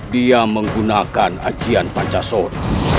dia menggunakan ajian pancasor